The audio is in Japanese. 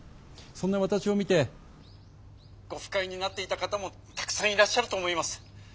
「ご不快になっていた方もたくさんいらっしゃると思います。